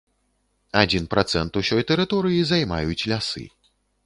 Адзін працэнт усёй тэрыторыі займаюць лясы.